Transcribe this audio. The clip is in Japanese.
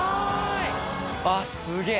あっすげぇ